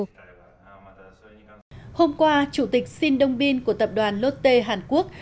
hôm qua chủ tịch sin dongbin của tập đoàn lotte hàn quốc